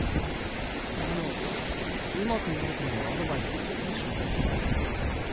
あのうまくなるためのアドバイスが欲しいんですけど。